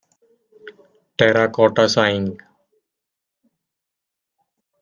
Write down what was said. Terracotta Sighing.